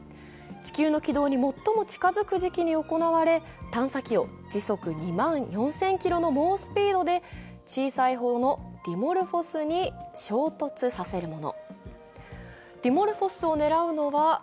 地球の軌道に最も近づく時期に行われ、探査機を時速２万４０００キロの猛スピードで小さい方のディモルフォスに衝突させるもの。